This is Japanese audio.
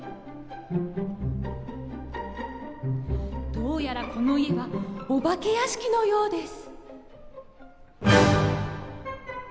どうやらこの家はオバケ屋敷のようです。